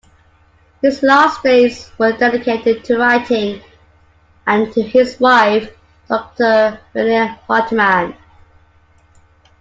His last days were dedicated to writing and to his wife Doctor Renee Hartmann.